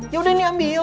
yaudah nih ambil